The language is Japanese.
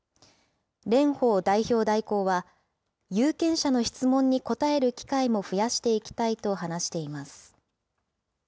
蓮舫代表代行は、有権者の質問に答える機会も増やしていきたいと話しています。